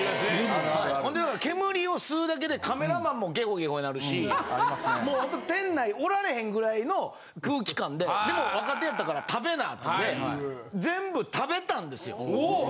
煙を吸うだけでカメラマンもゲホゲホなるしもうほんと店内おられへんぐらいの空気感ででも若手やったから食べなっていうんで全部食べたんですよ。